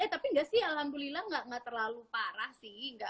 tapi nggak sih alhamdulillah nggak terlalu parah sih